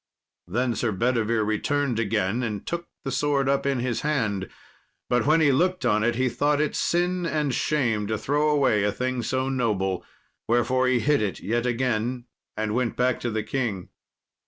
Then Sir Bedivere returned again, and took the sword up in his hand; but when he looked on it, he thought it sin and shame to throw away a thing so noble. Wherefore he hid it yet again, and went back to the king.